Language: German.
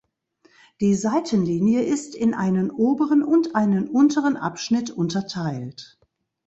Die Seitenlinie ist in einen oberen und einen unteren Abschnitt unterteilt.